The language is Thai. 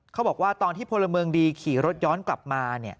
เขาบอกว่าตอนที่พลเมืองดีขี่รถย้อนกลับมา